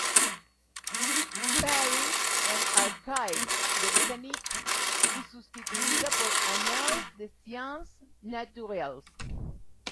Paris and Archives de botanique" y sustituida por "Annales des sciences naturelles.